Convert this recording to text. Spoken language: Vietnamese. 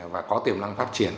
và có tiềm năng phát triển